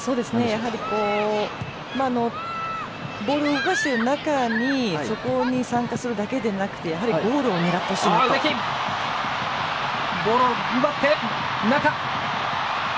やはり、ボールを動かしている中にそこに参加するだけでなくゴールを狙ったシュート。